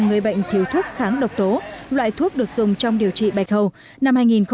người bệnh thiếu thuốc kháng độc tố loại thuốc được dùng trong điều trị bạch hầu